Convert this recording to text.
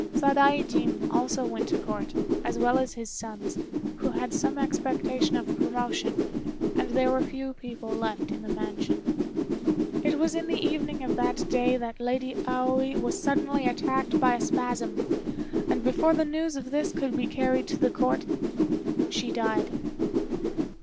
Sadaijin also went to Court, as well as his sons, who had some expectation of promotion, and there were few people left in the mansion. It was in the evening of that day that Lady Aoi was suddenly attacked by a spasm, and before the news of this could be carried to the Court, she died.